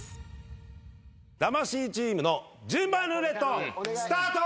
魂チームの順番ルーレットスタート！